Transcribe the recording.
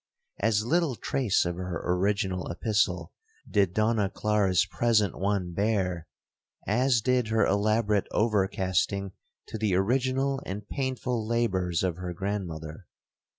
'As little trace of her original epistle did Donna Clara's present one bear, as did her elaborate overcasting to the original and painful labours of her grandmother.